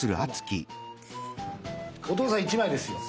お父さん１枚ですよ。